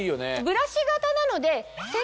ブラシ型なので。